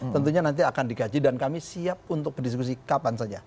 tentunya nanti akan digaji dan kami siap untuk berdiskusi kapan saja